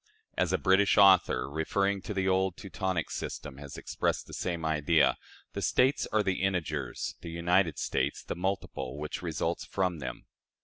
As a British author, referring to the old Teutonic system, has expressed the same idea, the States are the integers, the United States the multiple which results from them.